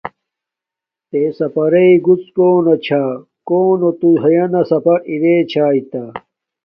تے پسنݵ گڎ کونا چھا نو کونو تو ھیانا سفر ارا چھیتا